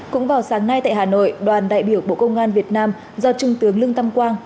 cũng vào sáng nay tại hà nội đoàn đại biểu bộ công an việt nam do trung tướng lương tâm quang